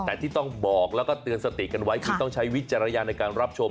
แต่ที่ต้องบอกแล้วก็เตือนสติกันไว้คือต้องใช้วิจารณญาณในการรับชม